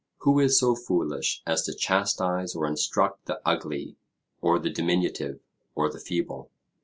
Who is so foolish as to chastise or instruct the ugly, or the diminutive, or the feeble?